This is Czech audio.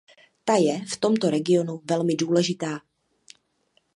Ta je v tomto regionu velmi důležitá.